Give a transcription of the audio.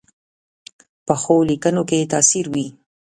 پخو لیکنو کې تاثیر وي